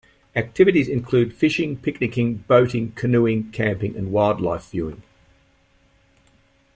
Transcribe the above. Activities include fishing, picnicking, boating, canoeing, camping and wildlife viewing.